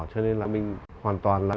cho nên là mình hoàn toàn là